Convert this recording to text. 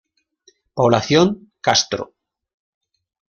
Población: Castro.